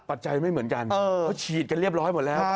ปัจจัยไม่เหมือนกันเขาฉีดกันเรียบร้อยหมดแล้ว